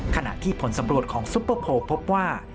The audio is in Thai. ขณะที่ผลสำรวจของซุปเปอร์โพลพบว่า